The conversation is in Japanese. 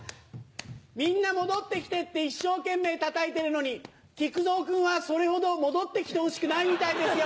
みんな戻って来てって一生懸命たたいてるのに木久蔵君はそれほど戻って来てほしくないみたいですよ。